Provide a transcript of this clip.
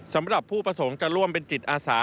สำหรับผู้ประสงค์จะร่วมเป็นจิตอาสา